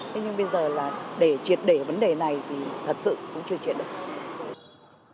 thế nhưng bây giờ là để triệt đề vấn đề này thì thật sự cũng chưa triệt được